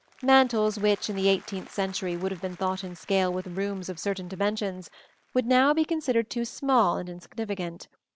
Mantels which in the eighteenth century would have been thought in scale with rooms of certain dimensions would now be considered too small and insignificant.